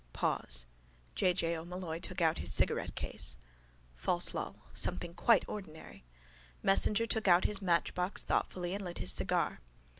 Pause. J. J. O'Molloy took out his cigarettecase. False lull. Something quite ordinary. Messenger took out his matchbox thoughtfully and lit his cigar.